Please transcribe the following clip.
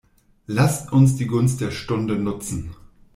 Lasst uns die Gunst der Stunde nutzen.